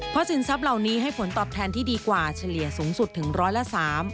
เพราะสินทรัพย์เหล่านี้ให้ผลตอบแทนที่ดีกว่าเฉลี่ยสูงสุดถึงร้อยละสาม